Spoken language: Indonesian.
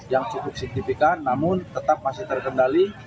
yang cukup signifikan namun tetap masih terkendali